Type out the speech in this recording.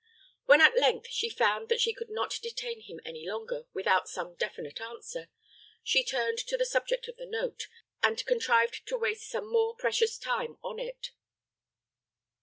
When at length she found that she could not detain him any longer without some definite answer, she turned to the subject of the note, and contrived to waste some more precious time on it.